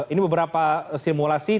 ini beberapa simulasi